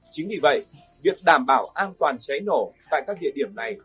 chính vì vậy việc đảm bảo an toàn cháy nổ tại các địa điểm này